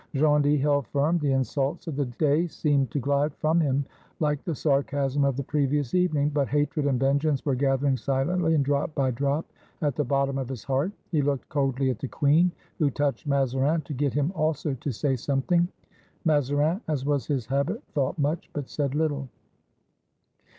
Gondy held firm. The insults of the day seemed to glide from him like the sarcasm of the previous evening; but hatred and vengeance were gathering silently and drop by drop at the bottom of his heart. He looked coldly at the queen, who touched Mazarin to get him also to say something. Mazarin, as was his habit, thought much, but said little.